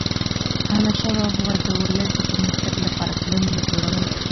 احمدشاه بابا به د ولس د پرمختګ لپاره پلانونه جوړول.